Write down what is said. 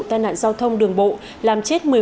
tai nạn giao thông đường bộ làm chết